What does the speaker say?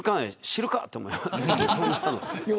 知るかって思います。